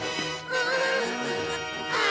ああ！